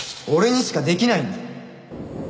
俺にしかできないんだ！